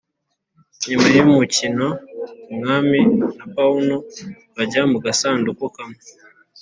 nyuma yumukino, umwami na pawnu bajya mu gasanduku kamwe